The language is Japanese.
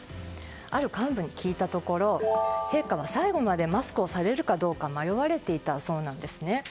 ある幹部に聞いたところ陛下は最後までマスクをされるかどうか迷われていたそうなんですね。